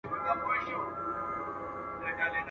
سمدستي یې لاندي ټوپ وو اچولی !.